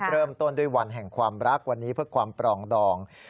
เริ่มต้นด้วยวันแห่งความรักวันนี้เพื่อความปรองดอง